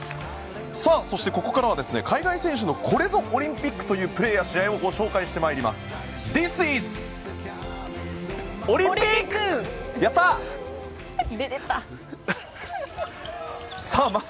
そして、ここからは海外選手のこれぞオリンピックというプレーや試合をご紹介したいと思います。